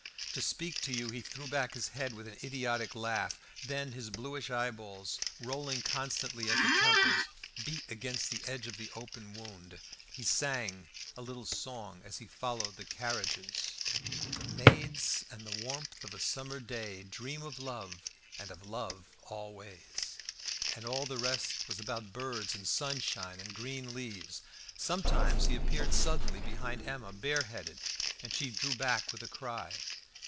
To speak to you he threw back his head with an idiotic laugh; then his bluish eyeballs, rolling constantly, at the temples beat against the edge of the open wound. He sang a little song as he followed the carriages "Maids an the warmth of a summer day Dream of love, and of love always" And all the rest was about birds and sunshine and green leaves. Sometimes he appeared suddenly behind Emma, bareheaded, and she drew back with a cry.